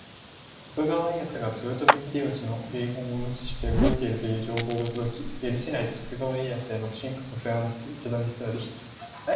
徳川家康が豊臣秀吉の遺言を無視して動いているという情報が届き、「許せない！」と徳川家康への不信感を募らせる石田三成。